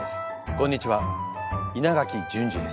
こんにちは稲垣淳二です。